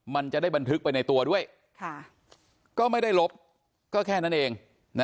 มันจะได้บันทึกไปในตัวด้วยก็ไม่ได้ลบก็แค่นั้นเอง